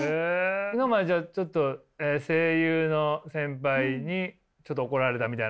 今までちょっと声優の先輩にちょっと怒られたみたいな。